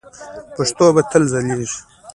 پښتو به تل ځلیږي.